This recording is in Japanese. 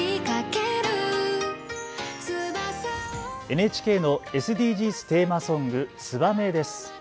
ＮＨＫのＳＤＧｓテーマソング、ツバメです。